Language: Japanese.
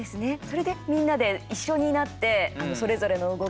みんなで一緒になってそれぞれの動き。